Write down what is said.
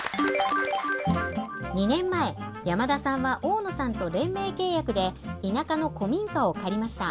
２年前山田さんは大野さんと連名契約で田舎の古民家を借りました。